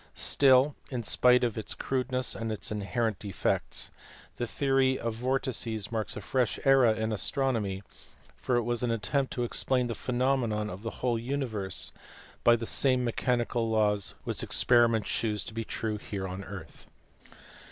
Still, in spite of its crudeness and its inherent defects, the theory of vortices marks a fresh era in astronomy, for it was an attempt to explain the phenomena of the whole universe by the same mechanical laws which ex periment shews to be true on the earth.